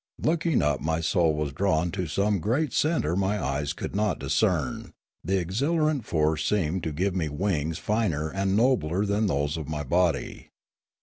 Looking up, my soul was drawn to some great centre my eyes could not discern; the exhilarant force seemed to give me wings finer and nobler than those of my body.